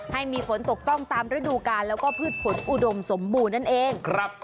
ให้มีฝนตกต้องตามฤดูกาลแล้วก็พืชผลอุดมสมบูรณ์นั่นเอง